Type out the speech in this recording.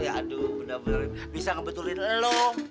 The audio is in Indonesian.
aduh benar benar bisa ngebetulin lo